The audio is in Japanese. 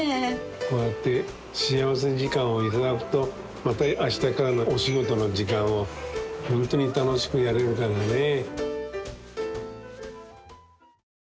こうやって幸福時間を頂くとまた明日からのお仕事の時間をホントに楽しくやれるからねえ。